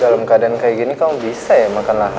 dalam keadaan kayak gini kamu bisa ya makan lah